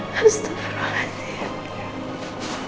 berarti kita berdua